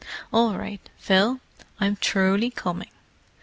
"All right, Phil—I'm truly coming.